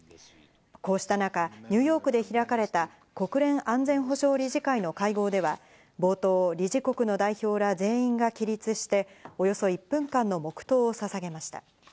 こうした中、ニューヨークで開かれた国連安全保障理事会の会合では、冒頭、理事国の代表ら全員が起立して、およそ１分間の黙とうをささげました。